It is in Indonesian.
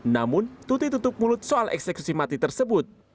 namun tuti tutup mulut soal eksekusi mati tersebut